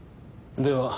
では